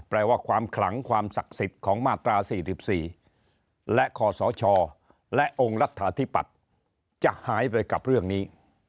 แปลว่าความขลังความศักดิ์สิทธิ์ของมาตรา๔๔และคอสชและองค์รัฐาธิปัตย์จะหายไปกับเรื่องนี้